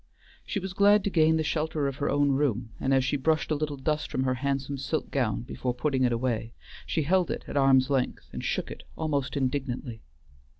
She was glad to gain the shelter of her own room, and as she brushed a little dust from her handsome silk gown before putting it away she held it at arm's length and shook it almost indignantly.